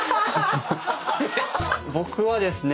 僕はですね